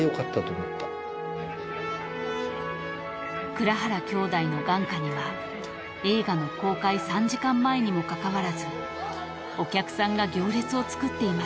［蔵原兄弟の眼下には映画の公開３時間前にもかかわらずお客さんが行列を作っていました］